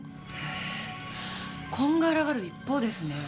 こんがらがる一方ですね。